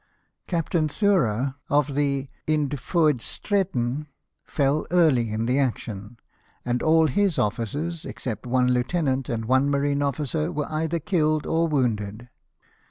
Captain Thura, of the Indfoedsretfen, fell early in the action ; and all his officers, except one lieutenant and one marine officer, were either killed or wounded.